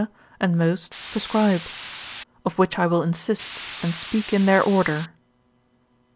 and most, prescribe; of which I will insist, and speak in their order.